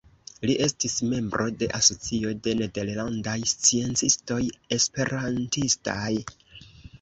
Li estis membro de Asocio de Nederlandaj Sciencistoj Esperantistaj.